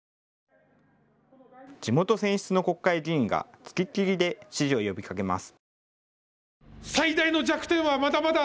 地元選出の国会議員が、つきっきりで支持を呼びかけます。